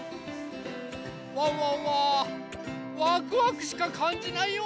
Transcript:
ワンワンはワクワクしかかんじないよ！